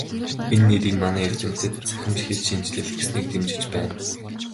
Энэ нэрийг манай эрдэмтэд "Цахим хэлшинжлэл" гэснийг дэмжиж байна.